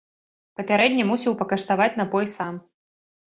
Папярэдне мусіў пакаштаваць напой сам.